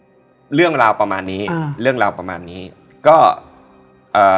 เรื่องราวประมาณนี้อ่าเรื่องราวประมาณนี้ก็เอ่อ